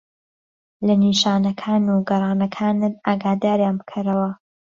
لە نیشانەکان و گەرانەکانت ئاگاداریان بکەرەوە.